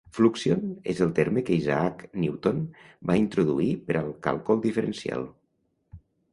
"Fluxion" és el terme que Isaac Newton va introduir per al càlcul diferencial.